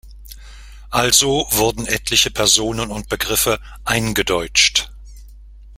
Also wurden etliche Personen und Begriffe „eingedeutscht“.